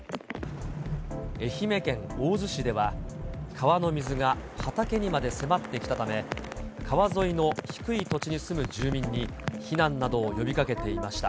愛媛県大洲市では、川の水が畑にまで迫ってきたため、川沿いの低い土地に住む住民に避難などを呼びかけていました。